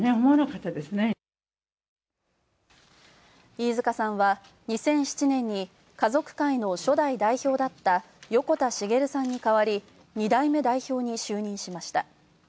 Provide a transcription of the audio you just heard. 飯塚さんは２００７年に家族会の初代代表だった横田滋さんに代わり、２代目代表に就任しました。